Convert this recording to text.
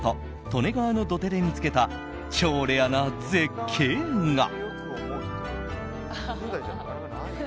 利根川の土手で見つけた超レアな絶景が。